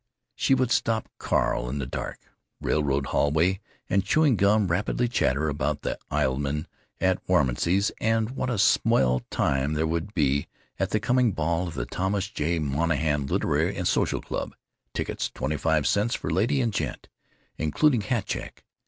She would stop Carl in the dark "railroad" hallway and, chewing gum rapidly, chatter about the aisleman at Wanamacy's, and what a swell time there would be at the coming ball of the Thomas J. Monahan Literary and Social Club, tickets twenty five cents for lady and gent, including hat check.